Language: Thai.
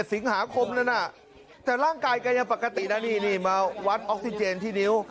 สิงหาคมนั้นแต่ร่างกายแกยังปกตินะนี่มาวัดออกซิเจนที่นิ้ว